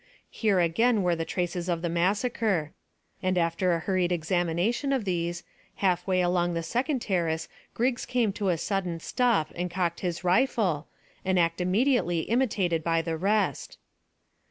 Here again were the traces of the massacre, and after a hurried examination of these, half way along the second terrace Griggs came to a sudden stop and cocked his rifle, an act immediately imitated by the rest.